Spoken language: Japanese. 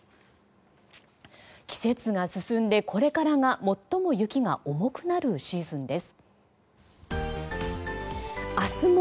季節が進んでこれからが最も雪が重くなるシーズンです。